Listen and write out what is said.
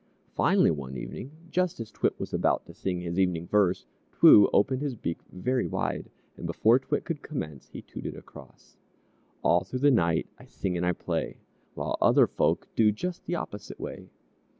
Finally, one evening just as T'wit was about to sing his evening verse, T'woo opened his beak very wide, and before T'wit could commence, he tooted across: "_All thro' the night I sing and I play, While other folk do Just the opposite way!